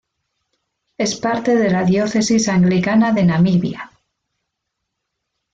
Es parte de la Diócesis Anglicana de Namibia.